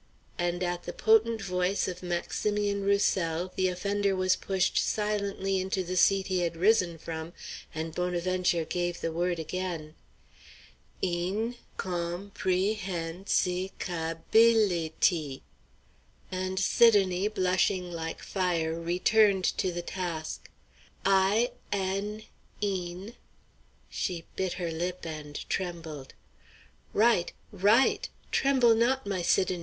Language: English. And at the potent voice of Maximian Roussel the offender was pushed silently into the seat he had risen from, and Bonaventure gave the word again. "In com pre hen si ca bil i ty!" And Sidonie, blushing like fire, returned to the task: "I n, een" She bit her lip and trembled. "Right! Right! Tremble not, my Sidonie!